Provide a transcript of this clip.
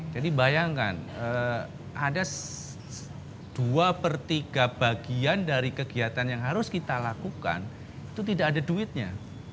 jadi bayangkan ada dua per tiga bagian dari kegiatan yang harus kita lakukan itu tidak ada duitnya